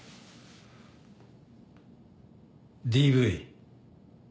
ＤＶ。